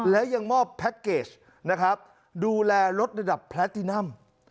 และยังมอบแพ็คเกจนะครับดูแลลดระดับแพลตตินัม